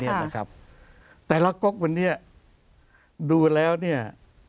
เนี้ยนะครับแต่ละกกมันเนี้ยดูแล้วเนี้ย